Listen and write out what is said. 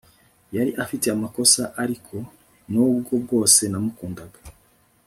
Yari afite amakosa ariko nubwo bwose namukundaga